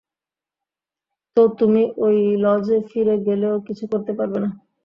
তো তুমি ওই লজে ফিরে গেলেও কিছু করতে পারবে না।